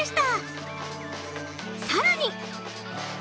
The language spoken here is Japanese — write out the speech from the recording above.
さらに。